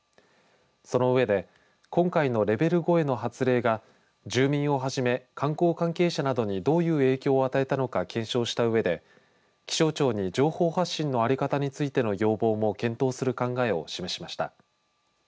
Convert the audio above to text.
その上で今回のレベル５への発令が住民をはじめ、観光関係者などにどういう影響を与えたのか検証したうえで気象庁に情報発信の在り方についての要望も検討する考えを示しました。